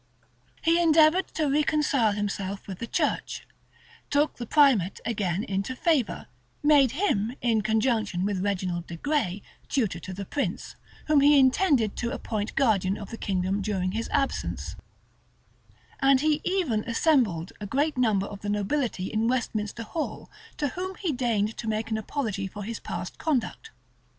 He endeavored to reconcile himself with the church; took the primate again into favor,[*] made him, in conjunction with Reginald de Grey, tutor to the prince, whom he intended to appoint guardian of the kingdom during his absence; and he even assembled a great number of the nobility in Westminster Hall, to whom he deigned to make an apology for his past conduct.